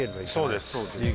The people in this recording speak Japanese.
そうです。